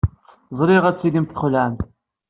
Ẓriɣ ad tilimt txelɛemt.